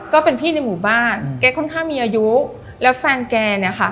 ก็เป็นพี่ในหมู่บ้านแกค่อนข้างมีอายุแล้วแฟนแกเนี่ยค่ะ